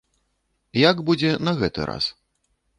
Як будзе на гэты раз?